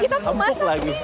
kita kemasan nih